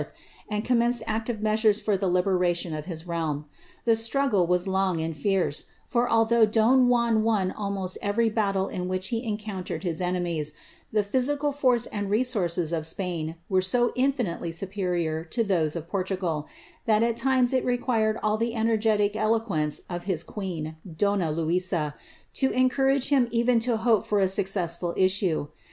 and commenced active measures for the libera i of his realm. The struggle was long and fierce, for although don D won almost every battle in which he encountered his enemies, the 'sical force and resources of Spain were so infinitely superior to those Portugal, that at times it required all the energetic eloquence of his en, donna Luiza, to encourage him even to nope for a successful le.